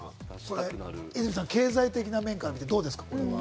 和泉さん、経済的な面から見て、どうですか？